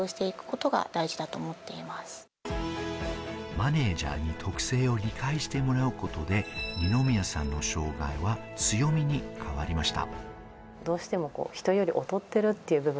マネージャーに特性を理解してもらうことで、二宮さんの障害は強みに変わりました。